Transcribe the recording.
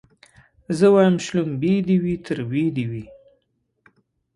زه وايم شلومبې دي وي تروې دي وي